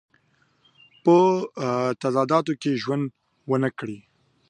په تضاداتو کې ژوند ونه کړي.